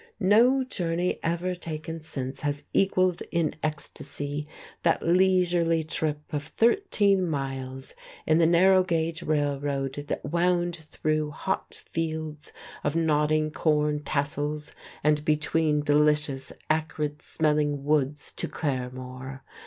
No journey ever taken since has equalled in ecstasy that leisurely trip of thirteen miles in the narrow gauge railroad that wound through hot fields of nodding corn tassels and between delicious, acrid smelling woods to Claremore.